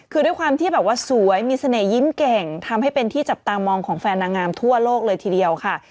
คือด้วยความที่แบบว่าสวยมีเสน่หยิ้มเก่งทำให้เป็นที่จับตามองของแฟนนางงามทั่วโลกเลยทีเดียวค่ะ